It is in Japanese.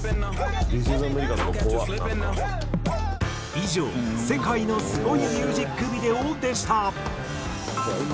以上世界のスゴいミュージックビデオでした。